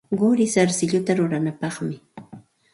Quri sarsilluta ruranapaqmi.